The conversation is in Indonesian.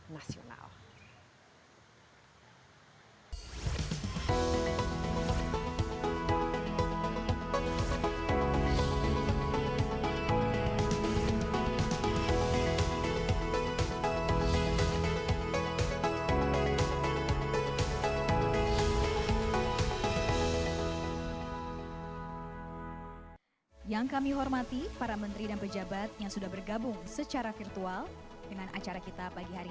nasional yang kami hormati para menteri dan pejabat yang sudah bergabung secara virtual dengan acara